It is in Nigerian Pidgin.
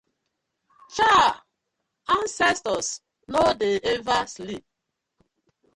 Chaaah!! Ancestors no dey ever sleep.